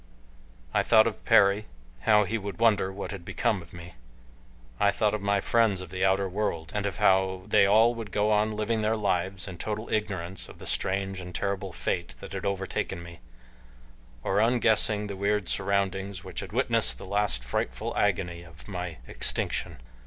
I thought of Perry how he would wonder what had become of me. I thought of my friends of the outer world, and of how they all would go on living their lives in total ignorance of the strange and terrible fate that had overtaken me, or unguessing the weird surroundings which had witnessed the last frightful agony of my extinction.